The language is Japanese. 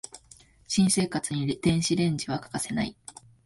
新生活に電子レンジは欠かせない